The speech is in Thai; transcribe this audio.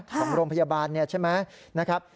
ของโรงพยาบาลใช่ไหมนะครับ